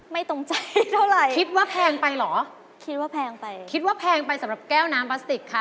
ตรงใจเท่าไหร่คิดว่าแพงไปเหรอคิดว่าแพงไปคิดว่าแพงไปสำหรับแก้วน้ำพลาสติกค่ะ